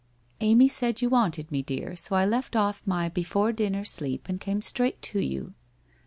1 Amy said you wanted me, dear, so I left off my before dinner sleep and came straight to you.'